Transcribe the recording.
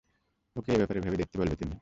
ওকে এ ব্যাপারে ভেবে দেখতে বলবে তুমি।